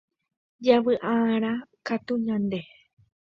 javy'a'arã katu ñande